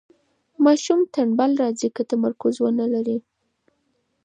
ماشوم ټنبل راځي که تمرکز ونلري.